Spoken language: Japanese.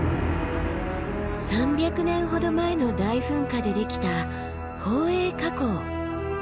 ３００年ほど前の大噴火でできた宝永火口。